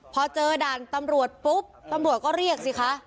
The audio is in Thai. พอเจอด่านตำรวจปุ๊บตำรวจก็เรียกสิคะ